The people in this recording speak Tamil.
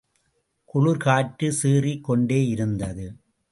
குளிர்காற்று சீறிக் கொண்டிருந்தது.